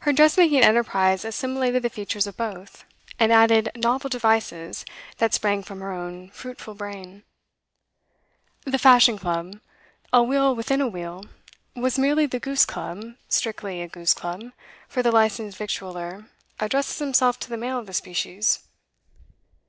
Her dressmaking enterprise assimilated the features of both, and added novel devices that sprang from her own fruitful brain. The 'Fashion Club,' a wheel within a wheel, was merely the goose club; strictly a goose club, for the licensed victualler addresses himself to the male of the species.